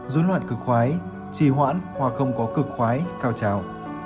dối loạn cực khoái trì hoãn hoặc không có cực khoái cao trào